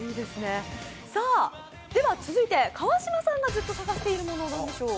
では続いて川島さんがずっと探しているものは何でしょう。